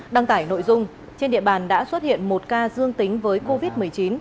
đăng tải nội dung trên địa bàn đã xuất hiện một ca dương tính với covid một mươi chín